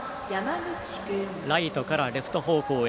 ライトからレフト方向へ。